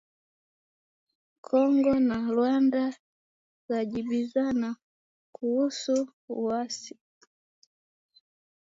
Kongo na Rwanda zajibizana kuhusu waasi